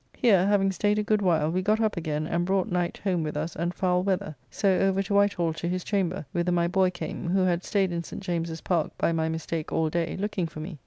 Here, having staid a good while, we got up again and brought night home with us and foul weather. So over to Whitehall to his chamber, whither my boy came, who had staid in St. James's Park by my mistake all day, looking for me.